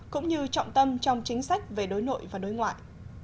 cũng như trọng tâm trong chính sách về đối nội và đối ngoại